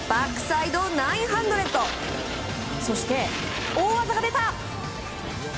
そして大技が出た！